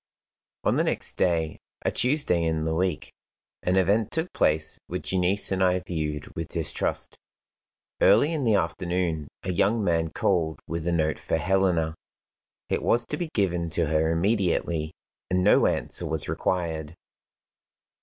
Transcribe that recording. On the next day, a Tuesday in the week, an event took place which Euneece and I viewed with distrust. Early in the afternoon, a young man called with a note for Helena. It was to be given to her immediately, and no answer was required.